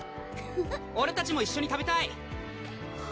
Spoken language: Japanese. ・オレたちも一緒に食べたい！